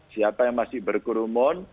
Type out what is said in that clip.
siapa yang masih berkurumun